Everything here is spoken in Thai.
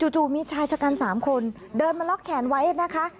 จู่มีชายชะกัน๓คนเดินมาล็อกแขนไว้นะคะ